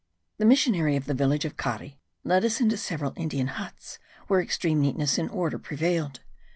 The missionary of the village of Cari led us into several Indian huts, where extreme neatness and order prevailed.